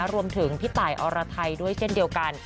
พี่ตายอรไทยด้วยเช่นเดียวกัน